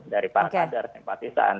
dari pakar dari simpatisan